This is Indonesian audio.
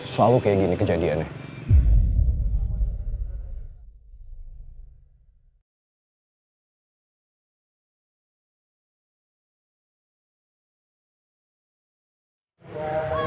selalu kayak gini kejadiannya